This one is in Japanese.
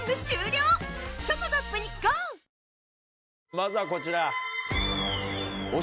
まずはこちら。